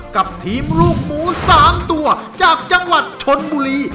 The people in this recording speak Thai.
กับทีมลูกหมู๓ตัวจากจังหวัดชนบุรี